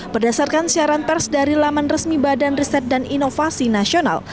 berdasarkan siaran pers dari laman resmi badan riset dan inovasi nasional